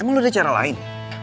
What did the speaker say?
emang lu ada cara lain